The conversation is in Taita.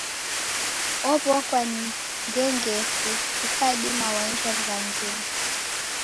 Ow'okwa ni ngengefu ukadima waenjwa w'ughangenyi.